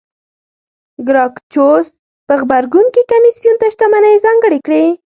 ګراکچوس په غبرګون کې کمېسیون ته شتمنۍ ځانګړې کړې